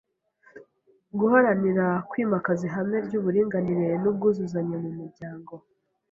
guharanira kwimakaza ihame ry’uburinganire n’ubwuzuzanye mu muryango